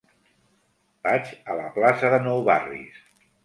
Vaig a la plaça de Nou Barris.